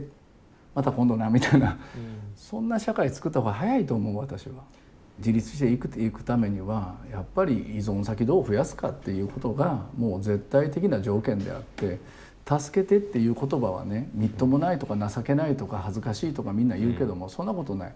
「また今度な」みたいなそんな社会つくった方が早いと思う私は。っていうことがもう絶対的な条件であって「助けて」っていう言葉はねみっともないとか情けないとか恥ずかしいとかみんな言うけどもそんなことない。